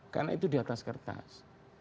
karena itu di atas kertas